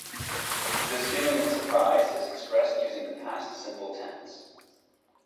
This feeling of surprise is expressed using the past simple tense.